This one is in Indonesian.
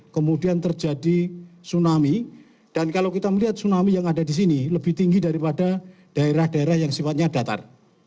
kemudian terjadi tsunami dan kalau kita melihat tsunami yang ada di sini lebih tinggi daripada daerah daerah yang sifatnya datar